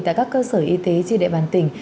tại các cơ sở y tế triệu đại bàn tỉnh